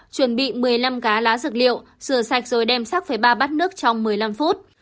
chuẩn bị một mươi năm cá lá dược liệu sửa sạch rồi đem sắc với ba bát nước trong một mươi năm phút